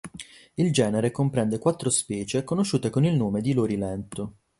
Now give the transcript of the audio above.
Il genere comprende quattro specie conosciute con il nome di lori lento.